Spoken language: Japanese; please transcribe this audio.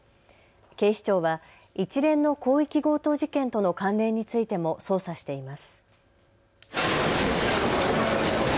警視庁は一連の広域強盗事件との関連についても捜査しています。